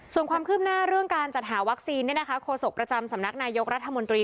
ส่วนความคืบหน้าเรื่องการจัดหาวัคซีนโคศกประจำสำนักนายกรัฐมนตรี